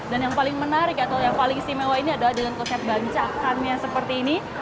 dan yang paling menarik atau yang paling istimewa ini adalah dengan konsep banjakannya seperti ini